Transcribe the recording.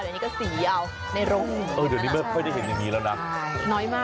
เดี๋ยวนี้ก็สีเอาในโรงนี้อยู่นี้ไม่ได้เห็นอย่างนี้แล้วนะ